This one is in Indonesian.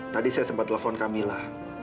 tadi saya sempat telepon kamila